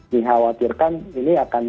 dikhawatirkan ini akan